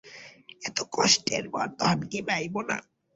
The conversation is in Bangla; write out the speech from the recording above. এত কষ্টের পরেও ধন কি পাইব না।